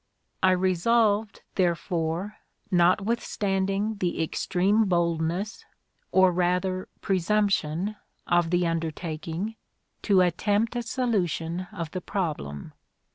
I resolved, therefore, not withstanding the extreme boldness, or rather presump tion, of the undertaking to attempt a solution of the problem.